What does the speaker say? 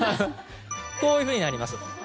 こういうふうになります。